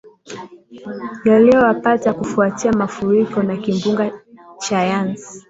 yaliowapata kufuatia mafuriko na kimbunga cha yansi